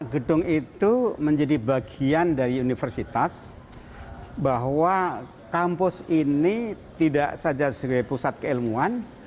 gedung itu menjadi bagian dari universitas bahwa kampus ini tidak saja sebagai pusat keilmuan